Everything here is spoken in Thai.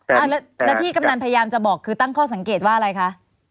แล้วที่กำนันพยายามจะบอกคือตั้งข้อสังเกตว่าอะไรคะ